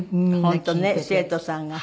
本当ね生徒さんが。